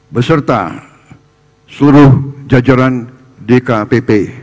beserta seluruh jajaran dkpp